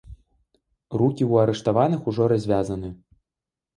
Рукі ў арыштаваных ужо развязаны.